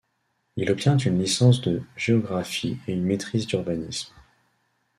Il obtient une licence de géographie et une maîtrise d'urbanisme.